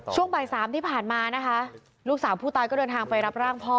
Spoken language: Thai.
ช่วงบ่ายสามที่ผ่านมานะคะลูกสาวผู้ตายก็เดินทางไปรับร่างพ่อ